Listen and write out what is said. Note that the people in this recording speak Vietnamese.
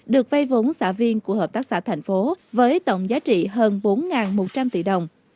được vay vốn xã viên của hợp tác xã thành phố với tổng giá trị hơn bốn một trăm linh tỷ đồng